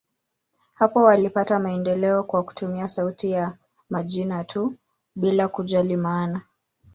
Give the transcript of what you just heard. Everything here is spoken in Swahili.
Hapo walipata maendeleo kwa kutumia sauti ya majina tu, bila kujali maana.